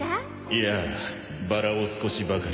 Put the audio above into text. いやバラを少しばかりね。